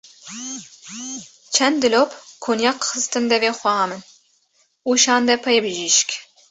Çend dilop kunyak xistin devê xweha min û şande pey bijîşk.